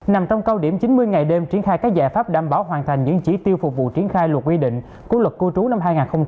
nằm trong cao điểm chín mươi ngày đêm triển khai các giải pháp đảm bảo hoàn thành những chỉ tiêu phục vụ triển khai luật quy định của luật cư trú năm hai nghìn hai mươi ba